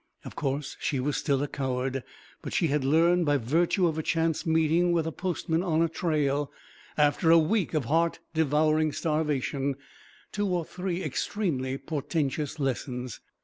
Of course she was still a coward, but she had learned, by virtue of a chance meeting with a postman on a trail after a week of heart devouring starvation, two or three extremely portentous lessons.